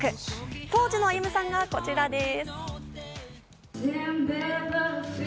当時のＡｙｕｍｕさんがこちらです。